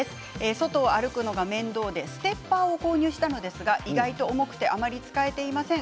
外を歩くのが面倒でステッパーを購入したんですが意外と重くてあまり使えていません。